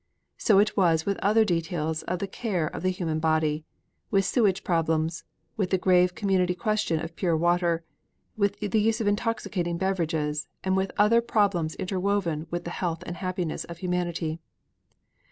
So it was with other details of the care of the human body, with sewage problems, with the grave community question of pure water, with the use of intoxicating beverages, and with other problems inter woven with the health and happiness of humanity.